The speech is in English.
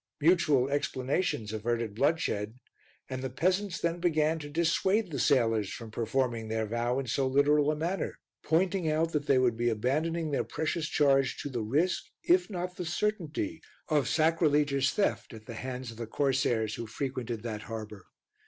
Mutual explanations averted bloodshed, and the peasants then began to dissuade the sailors from performing their vow in so literal a manner, pointing out that they would be abandoning their precious charge to the risk, if not the certainty, of sacrilegious theft at the hands of the corsairs who frequented that harbour.